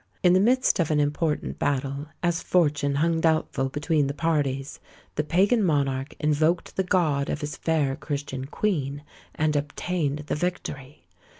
In the midst of an important battle, as fortune hung doubtful between the parties, the pagan monarch invoked the God of his fair Christian queen, and obtained the victory!